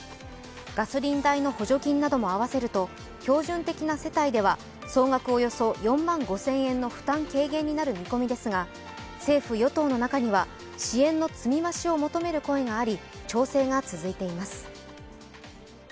ガソリン代の補助金なども合わせると標準的な世帯では総額およそ４万５０００円の負担軽減になる見込みですが、政府・与党の中には、支援の積み増しを求める声があり調整が続いています。